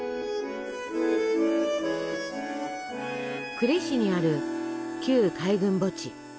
呉市にある旧海軍墓地。